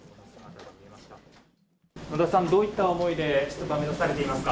野田さん、どういった思いで出馬、目指されていますか？